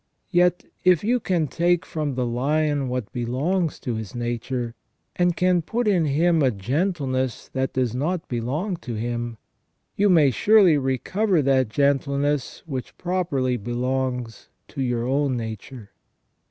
Yet if you can take from the lion what belongs to his nature, and can put in him a gentleness that does not belong to him, you may surely recover that gentleness which properly belongs to your own nature.